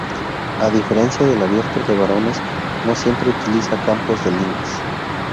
A diferencia del abierto de varones, no siempre utiliza campos de links.